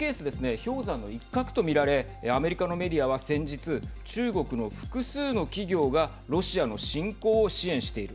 氷山の一角と見られアメリカのメディアは先日中国の複数の企業がロシアの侵攻を支援している。